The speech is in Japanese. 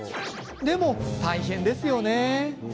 でも大変ですよね。